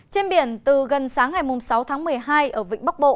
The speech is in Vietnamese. trên biển từ gần sáng ngày sáu tháng một mươi hai ở vịnh bắc bộ